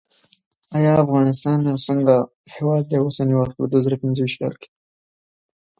بران د غنم پوټکی دی او فایبر لري.